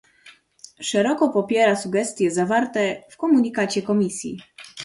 Szeroko popiera sugestie zawarte w komunikacie Komisji